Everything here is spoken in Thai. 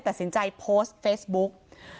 ตัดสินใจโพสต์เฟซบุ๊ก